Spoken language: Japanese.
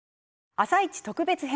「あさイチ」特別編。